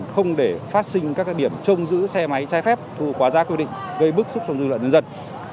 không để phát sinh các điểm trông giữ xe máy chai phép thu quả giá quy định gây bức xúc xung dụng dân dân